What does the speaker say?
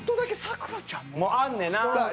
あんねんなぁ。